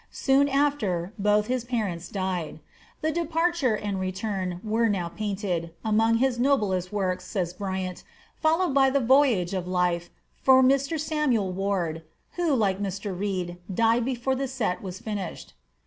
Soon after, both of his parents died. The "Departure and Return" were now painted, "among his noblest works," says Bryant, followed by the "Voyage of Life," for Mr. Samuel Ward, who, like Mr. Reed, died before the set was finished.